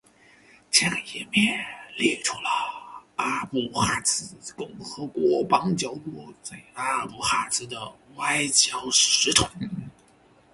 这个页面列出了阿布哈兹共和国邦交国在阿布哈兹的外交使团。